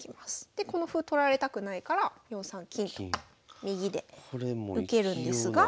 でこの歩取られたくないから４三金右で受けるんですが。